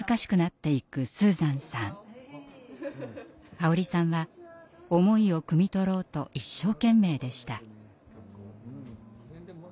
香織さんは思いをくみ取ろうと一生懸命でした。